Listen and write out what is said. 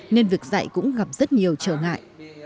nên việc dạy cũng gặp rất nhiều trở ngại